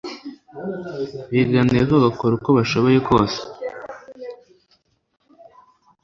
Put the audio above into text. bigana yehova bagakora uko bashoboye kose